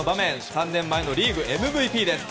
３年前のリーグＭＶＰです。